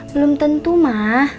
belum tentu ma